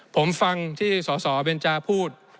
ผมฟังที่สสเบนจาพูด